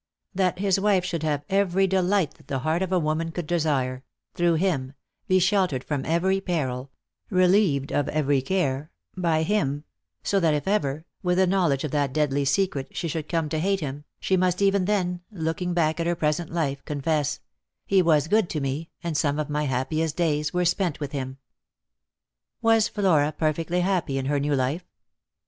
That his wife should have every delight that the heart of a woman could desire — through him — be sheltered from every peril, relieved of every care — by him — so that if ever, with the knowledge of that deadly secret, she should come to hate him, she must even then, looking back at her present life, confess, " He was good to me, and some of my happiest days were spent with him." Was Flora perfectly happy in her new life